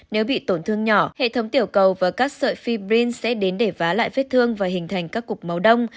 nếu bị tổn thương nhỏ hệ thống tiểu cầu và các sợi fibrin sẽ đến để vá lại vết thương và hình thành các cục máu đông